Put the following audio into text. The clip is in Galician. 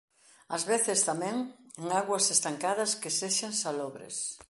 As veces tamén en augas estancadas que sexan salobres.